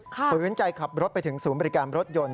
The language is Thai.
ฝืนใจขับรถไปถึงศูนย์บริการรถยนต์